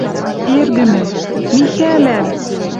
— Эргӹмӹм... Михӓлӓм!..